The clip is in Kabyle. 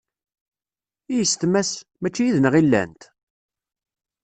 I yessetma-s? Mačči yid-neɣ i llant?